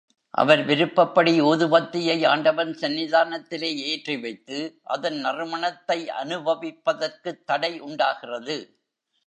அவர் விருப்பப்படி ஊதுவத்தியை ஆண்டவன் சந்நிதானத்திலே ஏற்றி வைத்து, அதன் நறுமணத்தை அநுபவிப்பதற்குத் தடை உண்டாகிறது.